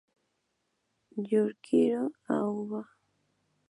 Yukihiro Aoba